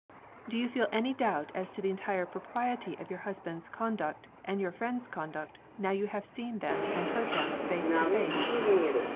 "Do you feel any doubt as to the entire propriety of your husband's conduct and your friend's conduct, now you have seen them and heard them, face to face?"